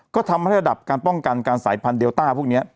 ก็ทำให้ระดับการป้องกันการสายพันธุเดลต้าพวกนี้